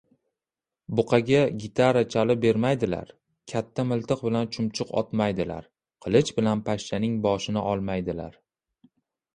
• Buqaga gitara chalib bermaydilar, katta miltiq bilan chumchuq otmaydilar, qilich bilan pashshaning boshini olmaydilar.